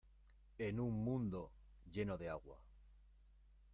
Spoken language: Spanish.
en un mundo lleno de agua